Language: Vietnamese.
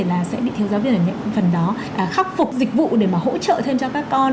là sẽ bị thiếu giáo viên ở những phần đó khắc phục dịch vụ để mà hỗ trợ thêm cho các con